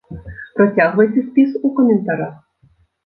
Працягвайце спіс у каментарах!